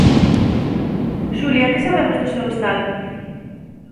Xulia que sabemos do seu estado?